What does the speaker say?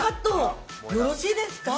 ◆よろしいですか。